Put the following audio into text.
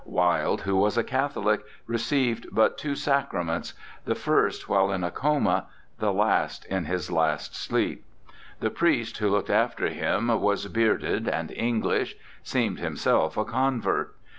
Wilde, who was a Catholic, received but two sacraments: the first while in a coma, the last in his last sleep. The priest who looked after him was bearded and English; seemed himself a convert.